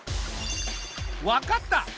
分かった！